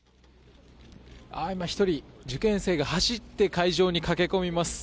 今、１人受験生が走って会場に駆け込みます。